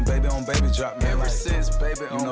kak thomas terima kasih sekali lagi ya